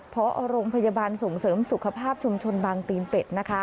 พอโรงพยาบาลส่งเสริมสุขภาพชุมชนบางตีนเป็ดนะคะ